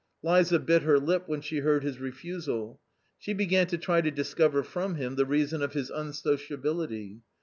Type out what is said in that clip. Liza bit her lip when she heard his refusal. She began to try to discover from him the reason of his unsociability.